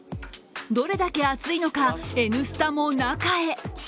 どれだけ暑いのか「Ｎスタ」も中へ。